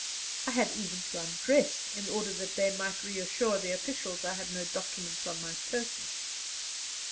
I had even to undress, in order that they might reassure the officials I had no documents on my person.